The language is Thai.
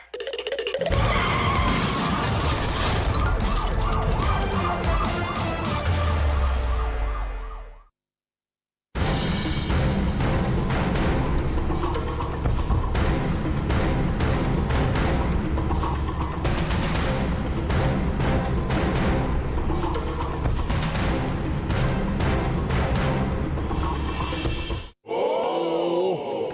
โฮ้ววว